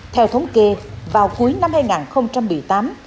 theo thống kê vào cuối năm hai nghìn một mươi tám